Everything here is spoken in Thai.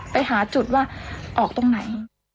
ไปหาจุดว่าออกตรงไหน